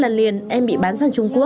lần hai lần liền em bị bán sang trung quốc